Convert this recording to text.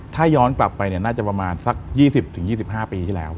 ถ้าย้อนกลับไปน่าจะประมาณสัก๒๐๒๕ปีที่แล้ว